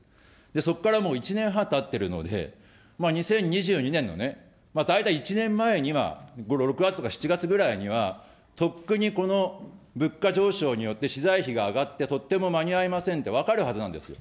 そこからもう、１年半たってるので、２０２２年の大体１年前には６月とか７月ぐらいには、とっくにこの物価上昇によって資材費が上がって、とっても間に合いませんって分かるはずなんです。